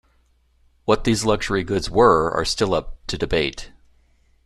What these luxury goods were are still up to debate.